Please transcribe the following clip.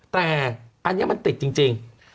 แต่อันนี้มันติดจริง